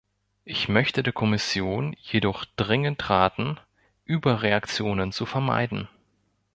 Ich möchte der Kommission jedoch dringend raten, Überreaktionen zu vermeiden.